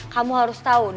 kamu harus tau